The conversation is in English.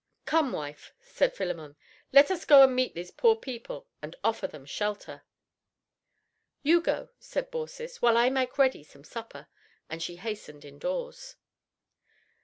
"Come, wife," said Philemon, "let us go and meet these poor people and offer them shelter." "You go," said Baucis, "while I make ready some supper," and she hastened indoors.